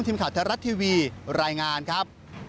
ทีมข่าวไทยรัฐทีวีรายงานครับ